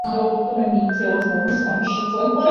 盐土老翁。